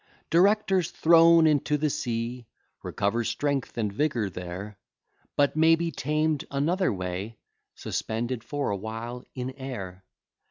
Directors, thrown into the sea, Recover strength and vigour there; But may be tamed another way, Suspended for a while in air.